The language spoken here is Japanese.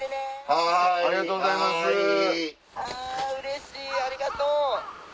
あうれしいありがとう。